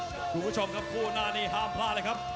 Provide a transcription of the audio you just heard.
คุณผู้ชมครับคู่หน้านี้ห้ามพลาดเลยครับ